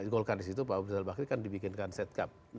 golkar disitu pak ustaz bakri kan dibuatkan setkap